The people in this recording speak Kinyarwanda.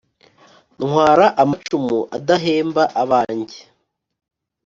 Ntwara amacumu adahemba abanjye